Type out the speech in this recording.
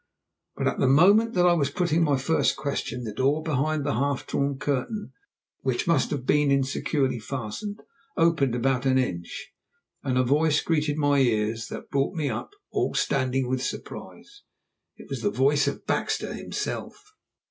But at the moment that I was putting my first question the door behind the half drawn curtain, which must have been insecurely fastened, opened about an inch, and a voice greeted my ears that brought me up all standing with surprise. _It was the voice of Baxter himself.